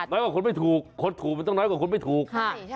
น้อยกว่าคนไม่ถูกคนถูกมันต้องน้อยกว่าคนไม่ถูก